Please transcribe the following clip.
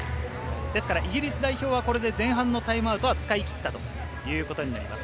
イギリス代表はこれで前半のタイムアウトは使い切ったということになります。